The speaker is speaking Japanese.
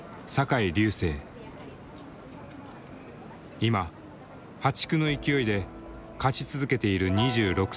今破竹の勢いで勝ち続けている２６歳だ。